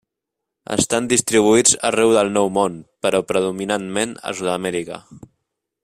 Estan distribuïts arreu del Nou Món, però predominantment a Sud-amèrica.